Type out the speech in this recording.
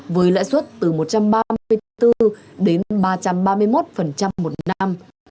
với lãi suất từ một trăm ba mươi bốn đến ba trăm ba mươi một một năm